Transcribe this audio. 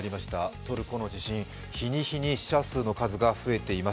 トルコの地震、日に日に死者の数が増えています。